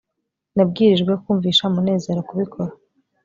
nabwirijwe kumvisha munezero kubikora